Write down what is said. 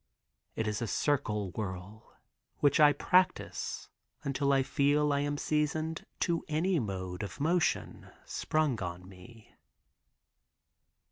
It is a circle whirl which I practice until I feel I am seasoned to any mode of motion sprung on me.